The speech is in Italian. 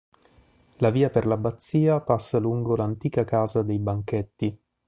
La via per l'Abbazia passa lungo l'antica casa dei banchetti.